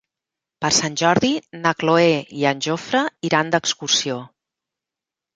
Per Sant Jordi na Cloè i en Jofre iran d'excursió.